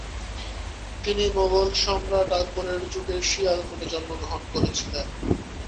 তিনি মোগল সম্রাট আকবরের যুগে শিয়ালকোটে জন্মগ্রহণ করেছিলেন।